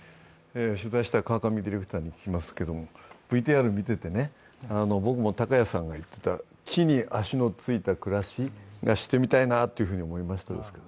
取材した川上ディレクターに聞きますけれども、ＶＴＲを見てて僕も高谷さんが言っていた地に足のついた暮らしがしてみたいなと思いました。